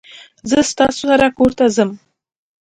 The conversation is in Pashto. زه ستاسو سره کورته ځم